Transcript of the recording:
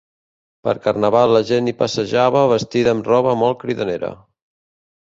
Per carnaval la gent hi passejava vestida amb roba molt cridanera.